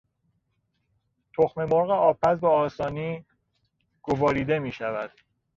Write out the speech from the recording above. تخممرغ آبپز به آسانی گواریده میشود.